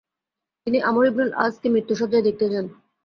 তিনি আমর ইবনুল আস কে মৃত্যু শয্যায় দেখতে যান।